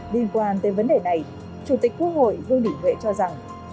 liên quan tới vấn đề này chủ tịch quốc hội vương đình huệ cho rằng